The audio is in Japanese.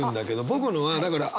僕のはだからああ